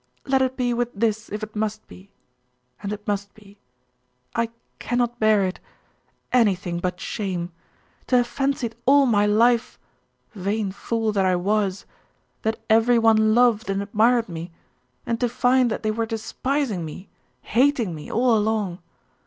Let it be with this, if it must be. And it must be. I cannot bear it! Anything but shame! To have fancied all my life vain fool that I was! that every one loved and admired me, and to find that they were despising me, hating me, all along!